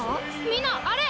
みんなあれ！